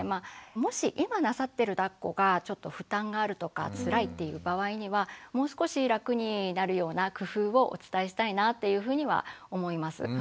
もし今なさってるだっこがちょっと負担があるとかつらいっていう場合にはもう少し楽になるような工夫をお伝えしたいなというふうには思います。